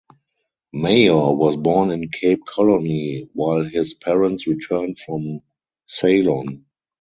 Mayor was born in Cape Colony while his parents returned from Ceylon.